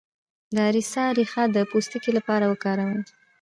د اریسا ریښه د پوستکي لپاره وکاروئ